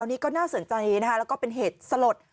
อันนี้ก็น่าสนใจนะคะแล้วก็เป็นเหตุสลด